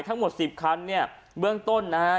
ทั้งหมด๑๐คันเนี่ยเบื้องต้นนะฮะ